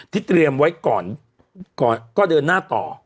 เตรียมไว้ก่อนก็เดินหน้าต่อ